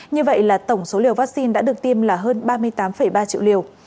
như vậy là tổng số liều vaccine đã được tiêm là hơn ba mươi tám ba triệu liều